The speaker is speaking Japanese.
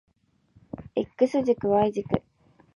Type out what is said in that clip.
X 軸 Y 軸